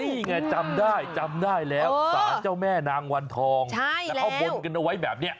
นี่ไงจำได้จำได้แล้วสารเจ้าแม่นางวันทองแล้วเขาบนกันเอาไว้แบบนี้